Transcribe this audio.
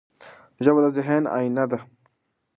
ژبه د ذهن آیینه ده.